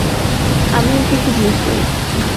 আমিও ওকে খুব মিস করি।